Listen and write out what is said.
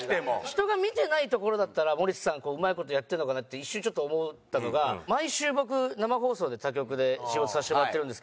人が見てないところだったら森田さんうまい事やってんのかなって一瞬ちょっと思ったのが毎週僕生放送で他局で仕事させてもらってるんですけど。